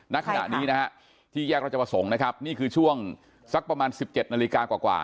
ณขณะนี้นะฮะที่แยกราชประสงค์นะครับนี่คือช่วงสักประมาณ๑๗นาฬิกากว่า